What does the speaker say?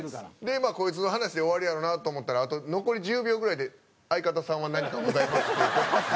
こいつの話で終わりやろなと思ったら残り１０秒ぐらいで「相方さんは何かございます？」っていう。